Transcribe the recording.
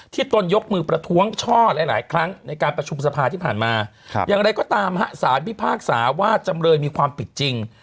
ตนยกมือประท้วงช่อหลายหลายครั้งในการประชุมสภาที่ผ่านมาอย่างไรก็ตามสารพิพากษาว่าจำเลยมีความผิดจริง